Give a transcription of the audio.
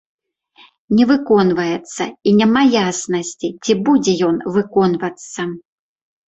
Не выконваецца і няма яснасці, ці будзе ён выконвацца.